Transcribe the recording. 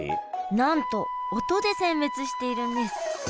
なんと音で選別しているんです。